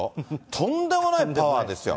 とんでもないパワーですよ。